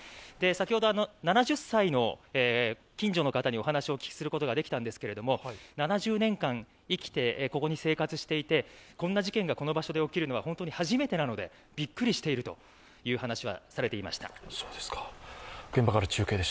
先ほど７０歳の近所の方にお話をお聞きすることができたんですが７０年間生きて、ここに生活していて、こんな事件がこの場所で起こるのは初めてなのでびっくりしているという話をされていました。